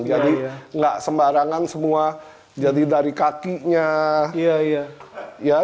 jadi gak sembarangan semua jadi dari kakinya